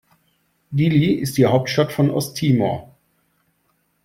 Dili ist die Hauptstadt von Osttimor.